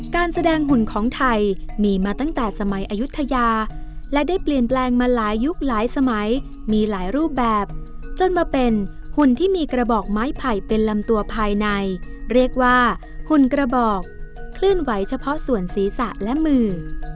การแสดงหุ่นของไทยมีมาตั้งแต่สมัยอายุทยาและได้เปลี่ยนแปลงมาหลายยุคหลายสมัยมีหลายรูปแบบจนมาเป็นหุ่นที่มีกระบอกไม้ไผ่เป็นลำตัวภายในเรียกว่าหุ่นกระบอกเคลื่อนไหวเฉพาะส่วนศีรษะและมือ